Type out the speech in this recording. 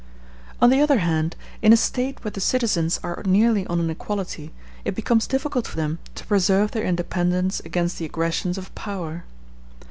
On the other hand, in a State where the citizens are nearly on an equality, it becomes difficult for them to preserve their independence against the aggressions of power.